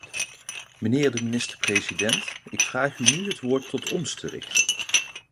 Mijnheer de minister-president, ik vraag u nu het woord tot ons te richten.